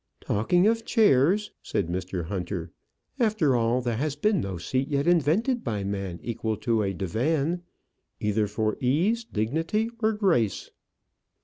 "Talking of chairs," said Mr. Hunter, "after all there has been no seat yet invented by man equal to a divan, either for ease, dignity, or grace."